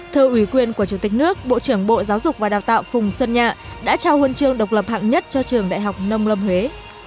thưa ủy quyền của chủ tịch nước bộ trưởng bộ giáo dục và đào tạo phùng xuân nhạ đã trao huân chương độc lập hạng nhất cho trường đại học nông lâm huế